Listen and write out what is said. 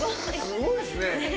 すごいですね。